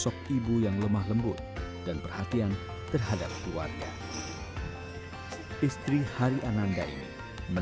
sini ibulong luma alter chance di dieses insya allah lebih tindih